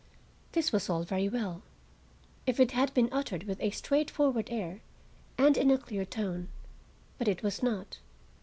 This was all very well, if it had been uttered with a straightforward air and in a clear tone. But it was not.